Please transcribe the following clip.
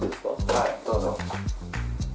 はいどうぞ。